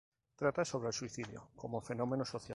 Trata sobre el suicidio como fenómeno social.